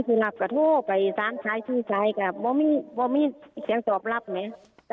ครับคุณแม่